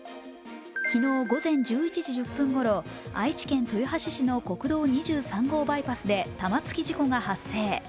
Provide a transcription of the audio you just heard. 昨日午前１１時１０分ごろ愛知県豊橋市の国道２３号バイパスで玉突き事故が発生。